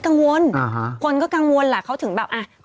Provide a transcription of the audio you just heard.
กังวลคนก็กังวลแหละเขาถึงแบบอ่ะ